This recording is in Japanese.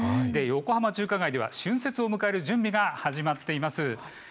横浜中華街では春節を迎える準備が始まっています。